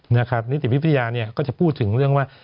นิติวิทยาเนี่ยก็จะพูดถึงเรื่องว่า